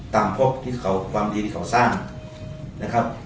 ตามพวกความดีที่เขาสร้างนะครับ